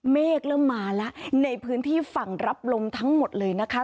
เมฆเริ่มมาแล้วในพื้นที่ฝั่งรับลมทั้งหมดเลยนะคะ